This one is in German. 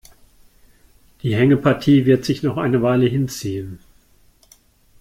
Die Hängepartie wird sich noch eine Weile hinziehen.